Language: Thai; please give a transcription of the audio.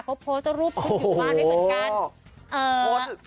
เขาโพสต์รูปคนอยู่บ้านไว้เหมือนกัน